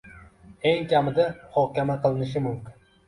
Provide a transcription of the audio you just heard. Eng kamida, muhokama qilinishi mumkin.